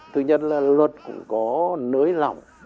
thứ nhất là luật cũng có nới lỏng